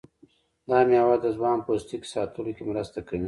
دا میوه د ځوان پوستکي ساتلو کې مرسته کوي.